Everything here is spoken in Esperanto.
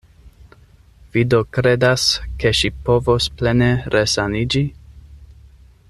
Vi do kredas, ke ŝi povos plene resaniĝi?